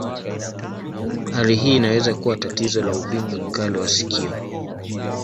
Hali hii inaweza kuwa tatizo la uvimbe mkali wa sikio.